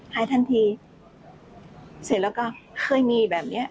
เสร็จแล้วก็เคยมีแบบเนี้ย